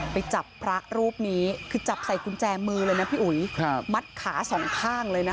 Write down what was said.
ไปจับพระรูปนี้คือจับใส่กุญแจมือเลยนะพี่อุ๋ยมัดขาสองข้างเลยนะคะ